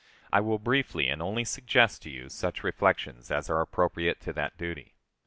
I will briefly and only suggest to you such reflections as are appropriate to that duty.